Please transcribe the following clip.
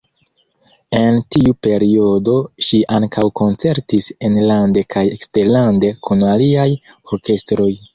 En tiu periodo ŝi ankaŭ koncertis enlande kaj eksterlande kun aliaj orkestroj.